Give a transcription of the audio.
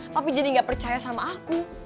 tapi jadi gak percaya sama aku